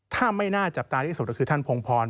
ถ้าไม่น่าจับตาที่สุดก็คือท่านพงพร